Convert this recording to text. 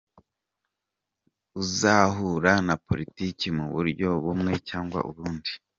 uzahura na politiki mu buryo bumwe cyangwa ubundi.